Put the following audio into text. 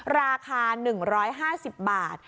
ราคา๑๕๐บาท